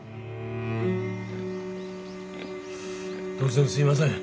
突然すいません。